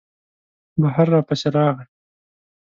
بهر را پسې راغی.